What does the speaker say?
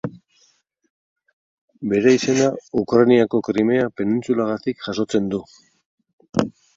Bere izena Ukrainako Krimea penintsulagatik jasotzen du.